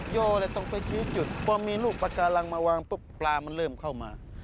โยเลยต้องไปชี้จุดพอมีลูกปากการังมาวางปุ๊บปลามันเริ่มเข้ามา